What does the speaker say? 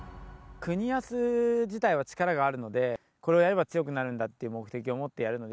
國安自体は力があるので、これをやれば強くなるんだという目的を持ってやるので。